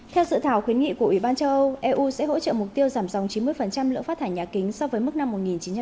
theo dự thảo khuyến nghị của ủy ban châu âu eu sẽ hỗ trợ mục tiêu giảm dòng chín mươi lượng phát thải nhà kính so với mức năm một nghìn chín trăm chín mươi hai